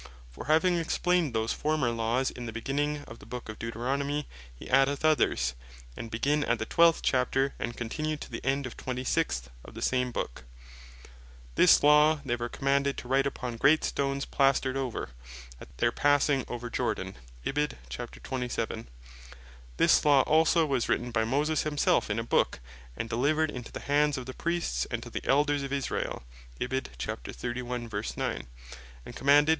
For having explained those former Laws, in the beginning of the Book of Deuteronomy, he addeth others, that begin at the 12. Cha. and continue to the end of the 26. of the same Book. This Law (Deut. 27.1.) they were commanded to write upon great stones playstered over, at their passing over Jordan: This Law also was written by Moses himself in a Book; and delivered into the hands of the "Priests, and to the Elders of Israel," (Deut. 31.9.) and commanded (ve. 26.)